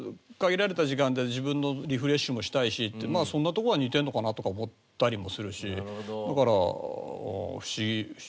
限られた時間では自分のリフレッシュもしたいしってそんなとこは似てるのかなとか思ったりもするしだから不思議。